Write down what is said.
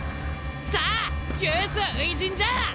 さあユース初陣じゃあ！